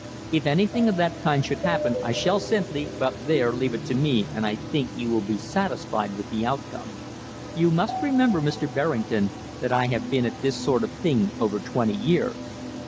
"If anything of that kind should happen I shall simply but there, leave it to me and I think you will be satisfied with the outcome. You must remember, Mr. Berrington, that I have been at this sort of thing over twenty years.